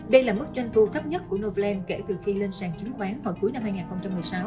đây là mức doanh thu thấp nhất của novaland kể từ khi lên sàn chứng khoán vào cuối năm hai nghìn một mươi sáu